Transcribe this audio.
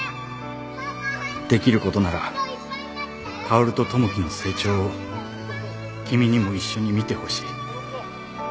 「出来ることなら薫と友樹の成長を君にも一緒に見て欲しい」